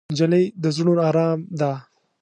نجلۍ د زړونو ارام ده.